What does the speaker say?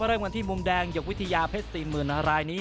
เริ่มกันที่มุมแดงยกวิทยาเพชรสี่หมื่นอารายนี้